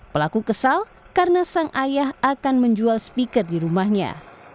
pelaku kesal karena sang ayah akan menjual speaker di rumahnya